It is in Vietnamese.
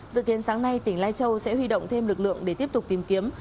dự kiến sáng nay tỉnh lai châu sẽ huy động thêm lực lượng để tiếp tục tìm kiếm